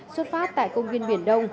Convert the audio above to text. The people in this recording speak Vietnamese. xuất phát tại công viên biển đông